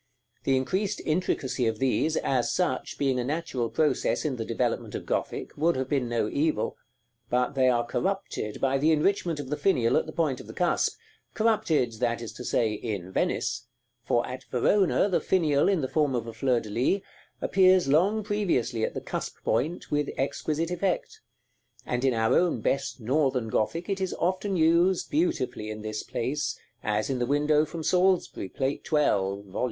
The increased intricacy of these, as such, being a natural process in the developement of Gothic, would have been no evil; but they are corrupted by the enrichment of the finial at the point of the cusp, corrupted, that is to say, in Venice: for at Verona the finial, in the form of a fleur de lis, appears long previously at the cusp point, with exquisite effect; and in our own best Northern Gothic it is often used beautifully in this place, as in the window from Salisbury, Plate XII. (Vol.